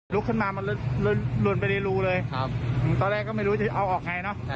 ขึ้นมามันหล่นไปในรูเลยครับตอนแรกก็ไม่รู้จะเอาออกไงเนอะ